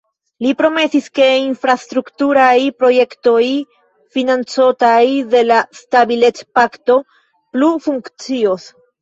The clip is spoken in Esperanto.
Li promesis, ke infrastrukturaj projektoj, financotaj de la Stabilecpakto, plu funkcios.